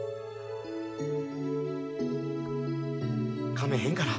かめへんから。